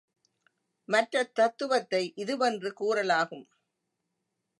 மற்றத் தத்துவத்தை இதுவென்று கூறலாகும்.